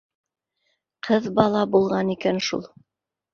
— Ҡыҙ бала булған икән шул.